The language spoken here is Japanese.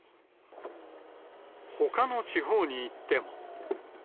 ほかの地方に行っても。